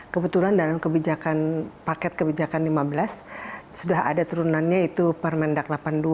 kebetulan dalam paket kebijakan lima belas sudah ada turunannya itu permendak delapan puluh dua dua ribu tujuh belas